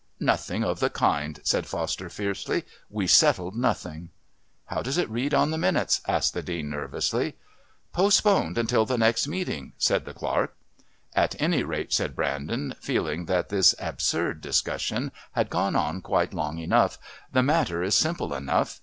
"Nothing of the kind," said Foster fiercely. "We settled nothing." "How does it read on the minutes?" asked the Dean nervously. "Postponed until the next meeting," said the Clerk. "At any rate," said Brandon, feeling that this absurd discussion had gone on quite long enough, "the matter is simple enough.